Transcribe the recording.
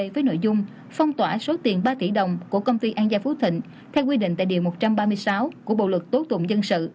với nội dung phong tỏa số tiền ba tỷ đồng của công ty an gia phú thịnh theo quy định tại điều một trăm ba mươi sáu của bộ luật tố tụng dân sự